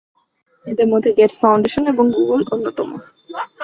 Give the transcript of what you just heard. এদের মধ্যে Gates Foundation এবং গুগল অন্যতম।